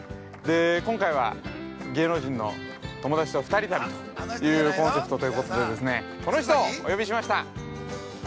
今回は、芸能人の友達と二人旅というコンセプトということでこの人をお呼びしました！